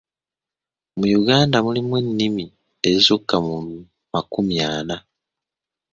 Mu Uganda mulimu ennimi ezisukka mu makumi ana.